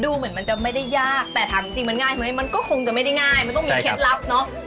ดูเหมือนมันจะไม่ได้ยากแต่ถามจริงมันง่ายไหมมันก็คงจะไม่ได้ง่ายมันต้องมีเคล็ดลับเนอะ